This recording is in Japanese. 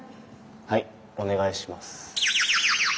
はいお願いします。